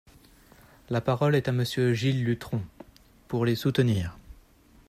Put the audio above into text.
La parole est à Monsieur Gilles Lurton, pour les soutenir.